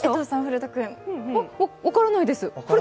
分からないです。